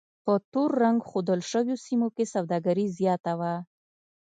په تور رنګ ښودل شویو سیمو کې سوداګري زیاته وه.